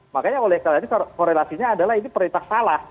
makanya oleh kali ini korelasinya adalah ini perintah salah